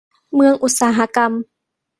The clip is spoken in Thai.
เมืองอุตสาหกรรม